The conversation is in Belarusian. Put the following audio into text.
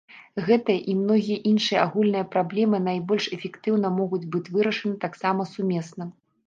Гэтая і многія іншыя агульныя праблемы найбольш эфектыўна могуць быць вырашаны таксама сумесна.